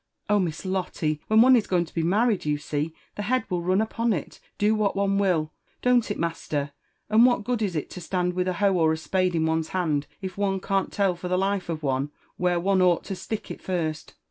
"Oh, Miss Lottel when one is going to be married, yoiisee, the head will run upon it, do what one will. Don't it, master ? And what good Is It to stand with a hoe or a spade in one's hand, if one can't tell for the life of one where one ought to stick it first